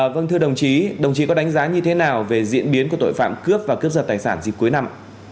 vâng thưa đồng chí đồng chí có đánh giá như thế nào về diễn biến của tội phạm cướp và cướp giật tài sản dịp cuối năm